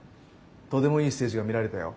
とてもいいステージが見られたよ。